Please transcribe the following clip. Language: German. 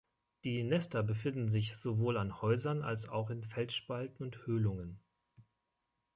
Die Nester befinden sich sowohl an Häusern als auch in Felsspalten und Höhlungen.